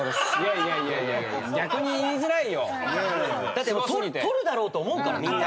だって取るだろうと思うからみんな。